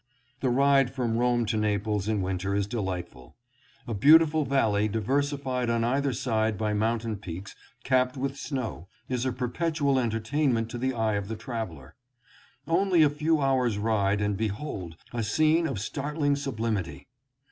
The ride from Rome to Naples in winter is delightful. A beautiful valley diversified on either side by mountain peaks capped with snow, is a perpetual entertainment to the eye of the traveler. Only a few hours' ride and behold a scene of startling sublimity